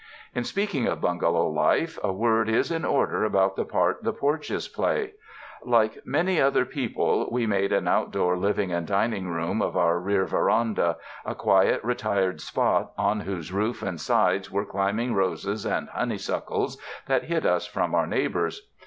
In speaking of bungalow life a word is in order about the part the porches play. Like many other people, we made an outdoor living and dining room of our rear veranda, a quiet, retired spot on whose roof and sides were climbing roses and honey suckles that hid us from our neighbors.